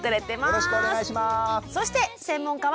よろしくお願いします。